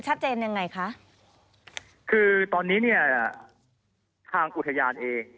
ยังไงคะคือตอนนี้เนี่ยทางอุทยานเอง